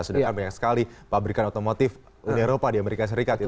sedangkan banyak sekali pabrikan otomotif uni eropa di amerika serikat